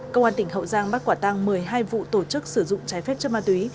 cơ quan tỉnh hậu giang bắt quả tàng một mươi hai vụ tổ chức sử dụng cháy phép chân ma túy